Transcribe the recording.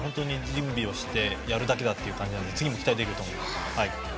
準備をしてやるだけだって感じなので次も期待できると思います。